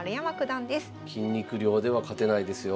筋肉量では勝てないですよ。